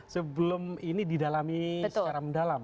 sebelum ini didalami secara mendalam